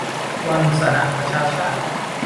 วันสหประชาชาติ